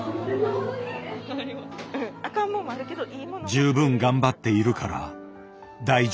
十分頑張っているから大丈夫。